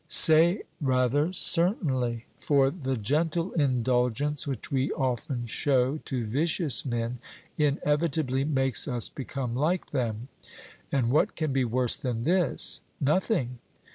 Say, rather 'Certainly': for the gentle indulgence which we often show to vicious men inevitably makes us become like them. And what can be worse than this? 'Nothing.'